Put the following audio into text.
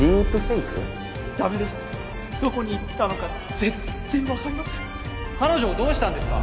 どこに行ったのか全然分彼女をどうしたんですか？